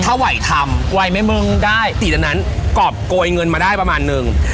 ถ้าไหวทำไหวไหมมึงได้ตีตอนนั้นกรอบโกยเงินมาได้ประมาณนึง